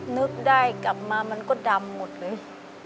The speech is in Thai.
นึกได้กลับมามันก็ดำหมดเลย